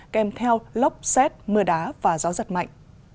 kèm theo lốc xét mưa đá và gió giật mạnh